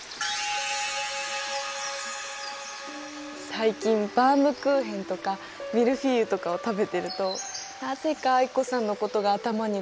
最近バウムクーヘンとかミルフィーユとかを食べてるとなぜか藍子さんのことが頭に浮かぶの。